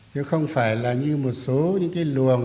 chứ không phải là như một số những cái luồng